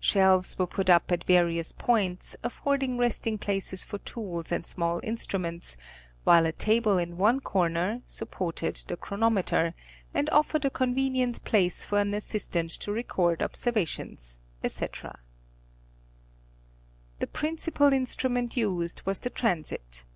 Shelves were put up at various points, affording resting places for tools and small instru ments, while a table in one corner, supported the chronometer, and offered a convenient place for an assistant to record observa tions, ete. The principal instrument used was the transit.